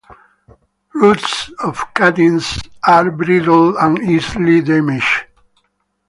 Roots of cuttings are brittle and easily damaged.